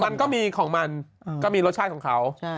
มันก็มีของมันก็มีรสชาติของเขา